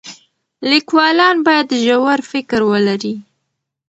لیکوالان باید ژور فکر ولري.